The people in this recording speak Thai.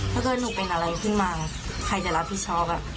ถ้าเกิดหนูเป็นอะไรขึ้นมาใครจะรับผิดชอบ